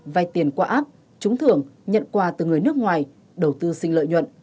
vay tiền qua app trúng thưởng nhận quà từ người nước ngoài đầu tư xin lợi nhuận